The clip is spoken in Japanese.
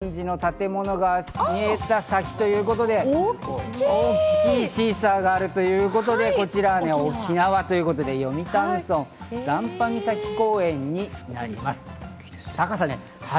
オレンジの建物が見えた先ということで、大きいシーサーがあるということで、こちら沖縄ということで読谷村、残波岬公園になります。